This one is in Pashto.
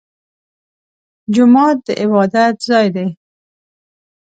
جومات د عبادت ځای دی